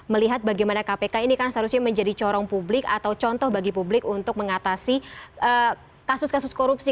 melihat bagaimana kpk ini kan seharusnya menjadi corong publik atau contoh bagi publik untuk mengatasi kasus kasus korupsi